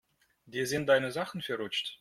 Dir sind deine Sachen verrutscht.